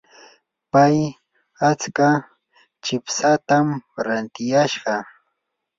pay atska chipsatam rantiyashqa.